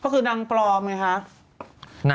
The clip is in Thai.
คือดังปลอมเลยค่ะ